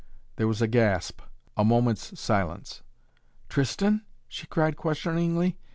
There was a gasp, a moment's silence. "Tristan?" she cried questioningly.